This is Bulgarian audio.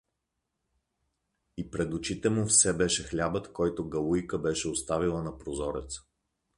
И пред очите му все беше хлябът, който Галуика беше оставила на прозореда.